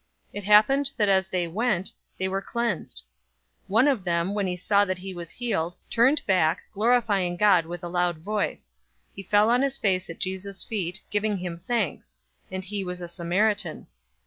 It happened that as they went, they were cleansed. 017:015 One of them, when he saw that he was healed, turned back, glorifying God with a loud voice. 017:016 He fell on his face at Jesus' feet, giving him thanks; and he was a Samaritan.